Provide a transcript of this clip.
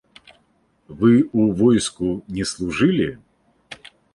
Вы ў войску не служылі?